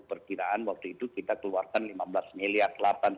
perkiraan waktu itu kita keluarkan lima belas miliar